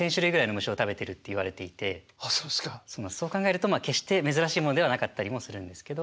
そう考えると決して珍しいものではなかったりもするんですけど。